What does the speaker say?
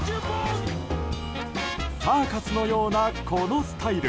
サーカスのようなこのスタイル。